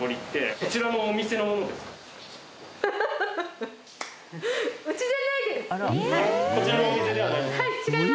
こちらのお店ではない？